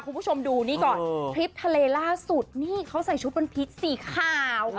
คุณผู้ชมดูนี่ก่อนคลิปทะเลล่าสุดนี่เขาใส่ชุดเป็นพิษสีขาว